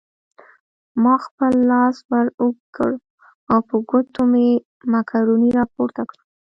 ما خپل لاس ور اوږد کړ او په ګوتو مې مکروني راپورته کړل.